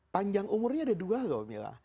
panjang umurnya ada dua loh mila